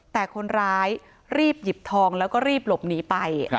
แต่คนร้ายรีบหยิบทองแล้วก็รีบหลบหนีไป